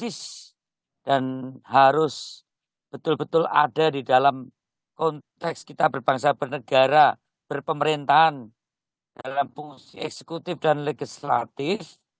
strategis dan harus betul betul ada di dalam konteks kita berbangsa bernegara berpemerintahan dalam fungsi eksekutif dan legislatif